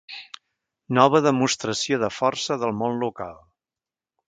Nova demostració de força del món local.